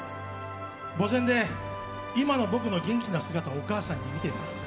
墓前で今の僕の元気な姿をお母さんが見てる。